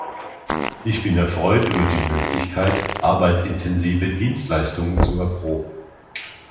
Ich bin erfreut über die Möglichkeit, arbeitsintensive Dienstleistungen zu erproben.